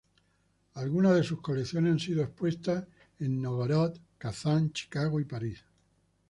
Algunas de sus colecciones han sido expuestas en Nóvgorod, Kazán, Chicago y París.